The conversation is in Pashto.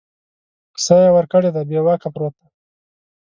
ساه یې ورکړې ده بې واکه پروت دی